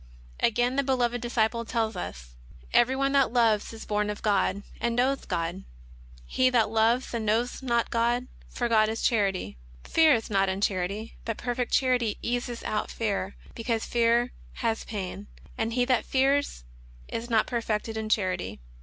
Again the Beloved Disciple tells us: xi xil FOEEWORD. " Every one that loveth is born of God, and knoweth God. He that loveth not, knoweth not God; for God is charity. Fear is not in charity ; but perfect charity casteth out fear, because fear hath pain. And he that feareth is not perfected in charity.